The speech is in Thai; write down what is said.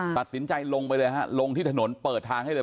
ตัดสินใจลงไปเลยฮะลงที่ถนนเปิดทางให้เลย